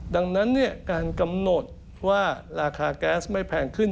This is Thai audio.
ดังนั้นการกำหนดว่าราคาแก๊สไม่แพงขึ้น